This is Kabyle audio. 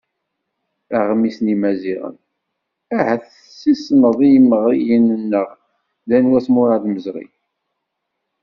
Aɣmis n Yimaziɣen: Ahat ad tessisneḍ i yimeɣriyen-nneɣ d anwa-t Muṛad Meẓri?